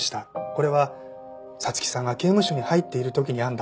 これは彩月さんが刑務所に入っている時に編んだものです。